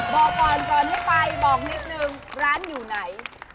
บอกก่อนก่อนให้ไปบอกนิดนึงร้านอยู่ไหน